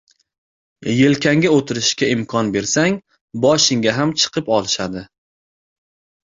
• Yelkangga o‘tirishga imkon bersang, boshingga ham chiqib olishadi.